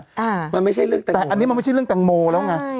อ่ามันไม่ใช่เรื่องแต่งแต่อันนี้มันไม่ใช่เรื่องแตงโมแล้วไง